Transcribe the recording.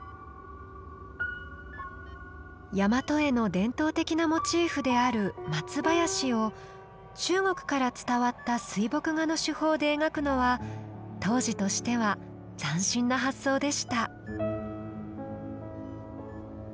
大和絵の伝統的なモチーフである松林を中国から伝わった水墨画の手法で描くのは当時としては斬新な発想でした。